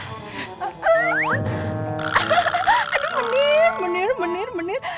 hahaha aduh menir menir menir menir